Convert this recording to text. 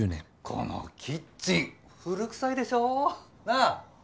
このキッチン古くさいでしょ？なぁ？